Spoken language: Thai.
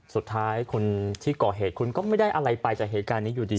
สุดท้ายคนที่ก่อเหตุคุณก็ไม่ได้อะไรไปจากเหตุการณ์นี้อยู่ดี